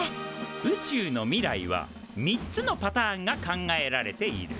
宇宙の未来は３つのパターンが考えられている。